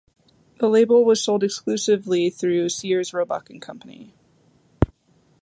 The label was sold exclusively through Sears, Roebuck and Company.